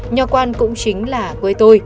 nho quang cũng chính là quê tôi